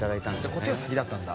こっちが先だったんだ？